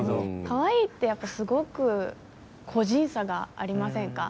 かわいいってすごく個人差がありませんか？